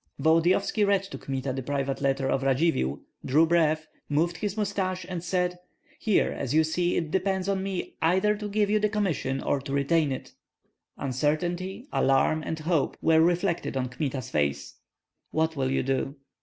Volodyovski read to Kmita the private letter of Radzivill, drew breath, moved his mustaches, and said, "Here, as you see, it depends on me either to give you the commission or to retain it." Uncertainty, alarm, and hope were reflected on Kmita's face. "What will you do?"